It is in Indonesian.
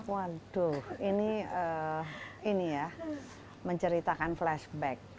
waduh ini ya menceritakan flashback